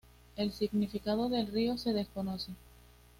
El significado del río se desconoce.